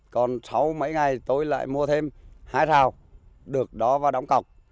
còn sau mấy ngày tôi lại mua thêm hai rào được đó và đóng cọc